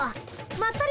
まったり。